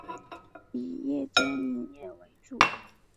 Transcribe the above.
以夜间营业为主。